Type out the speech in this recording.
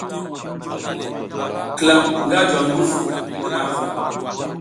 Klam nga juwa nguf ngi naʼa vu.